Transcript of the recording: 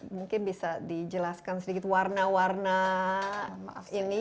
mungkin bisa dijelaskan sedikit warna warna ini